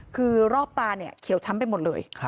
คือรอบตาเนี่ยเขียวช้ำไปหมดเลย